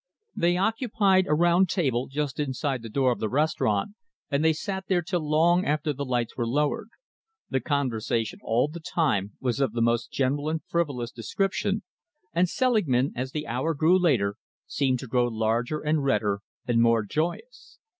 They occupied a round table just inside the door of the restaurant, and they sat there till long after the lights were lowered. The conversation all the time was of the most general and frivolous description, and Selingman, as the hour grew later, seemed to grow larger and redder and more joyous.